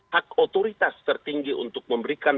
hak otoritas tertinggi untuk memberikan